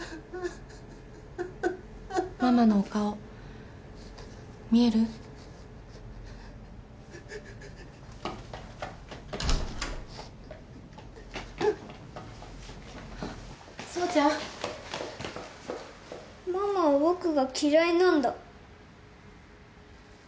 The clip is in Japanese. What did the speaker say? ママは僕が嫌いなんだ。